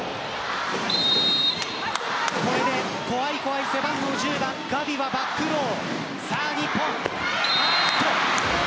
これで怖い怖い背番号１０番ガビはバックロー。